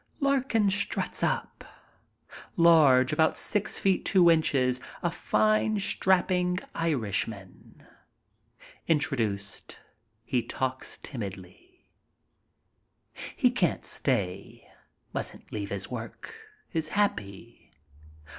Larkin struts up. Large, about six feet two inches, a fine, strapping Irishman. Introduced, he talks timidly. He can't stay, mustn't leave his work. Is happy.